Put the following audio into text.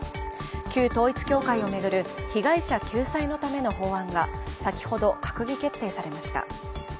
旧統一教会を巡る被害者救済のための法案が先ほど閣議決定されました。